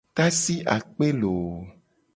Tasi akpe looo.